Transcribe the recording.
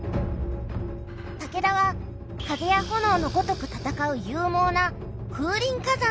武田は風や炎のごとく戦う勇猛な風林火山の旗印。